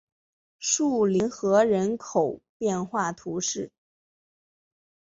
树林河人口变化图示